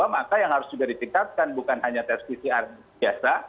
maka yang harus juga ditingkatkan bukan hanya tes pcr biasa